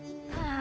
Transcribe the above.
あ。